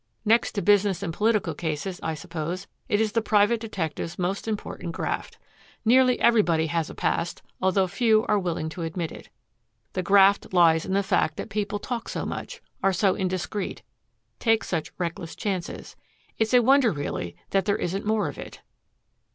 Next to business and political cases, I suppose, it is the private detective's most important graft. Nearly everybody has a past although few are willing to admit it. The graft lies in the fact that people talk so much, are so indiscreet, take such reckless chances. It's a wonder, really, that there isn't more of it."